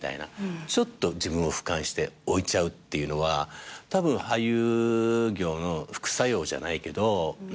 ちょっと自分を俯瞰して置いちゃうっていうのはたぶん俳優業の副作用じゃないけど。